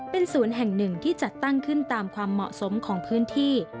เป็นศูนย์แห่งหนึ่งที่จัดตั้งขึ้นตามความเหมาะสมของพื้นที่